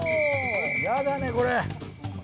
嫌だねこれ！